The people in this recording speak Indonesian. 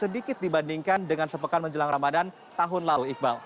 sedikit dibandingkan dengan sepekan menjelang ramadhan tahun lalu